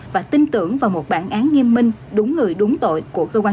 và tin tưởng vào một bản án nghiêm minh đúng người đúng tội của cơ quan chức năng